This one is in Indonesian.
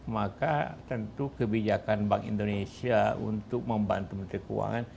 maka tentu kebijakan bank indonesia untuk membantu menteri keuangan